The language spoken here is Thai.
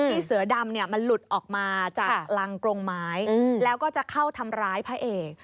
เสือดำมันหลุดออกมาจากรังกรงไม้แล้วก็จะเข้าทำร้ายพระเอก